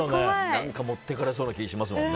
何か持ってかれそうな気しますもんね。